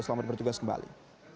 selamat bertugas kembali